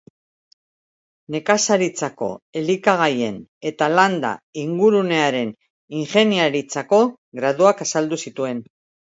Nekazaritzako Elikagaien eta Landa Ingurunearen Ingeniaritzako Graduak azaldu zituen.